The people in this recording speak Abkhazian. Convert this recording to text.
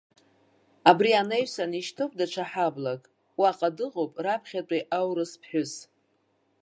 Абри анаҩсан ишьҭоуп даҽа ҳаблак, уаҟа иҟоуп раԥхьатәи аурыс ԥҳәыс.